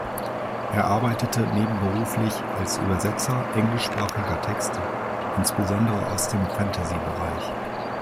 Er arbeitete nebenberuflich als Übersetzer englischsprachiger Texte, insbesondere aus dem Fantasy-Bereich.